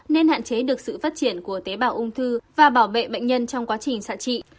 nên hạn chế được sự phát triển của tế bào ung thư và bảo vệ bệnh nhân trong quá trình sản trị